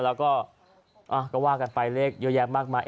แล้วก็ว่ากันไปเลขเยอะแยะมากมาย